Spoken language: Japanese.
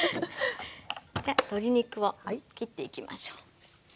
じゃあ鶏肉を切っていきましょう。